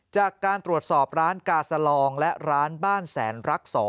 จากการตรวจสอบร้านกาสลองและร้านบ้านแสนรัก๒